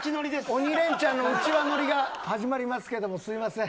鬼レンチャンの身内乗りが始まりますけれどもすいません。